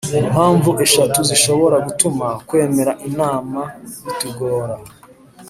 impamvu eshatu zishobora gutuma kwemera inama bitugora